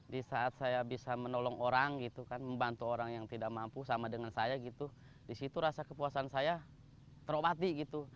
di saat saya bisa menolong orang gitu kan membantu orang yang tidak mampu sama dengan saya gitu disitu rasa kepuasan saya terobati gitu